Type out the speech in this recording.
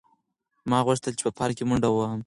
ما غوښتل چې په پارک کې منډه وهم.